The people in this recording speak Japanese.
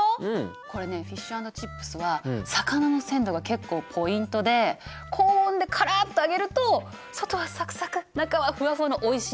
これねフィッシュ＆チップスは魚の鮮度が結構ポイントで高温でカラッと揚げると外はサクサク中はフワフワのおいしい